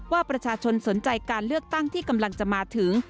ว่าประชาชนสนใจการเลือกตั้งที่กำลังจะมาถึง